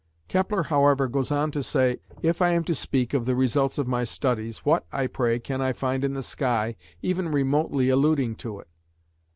Kepler however goes on to say, "If I am to speak of the results of my studies, what, I pray, can I find in the sky, even remotely alluding to it?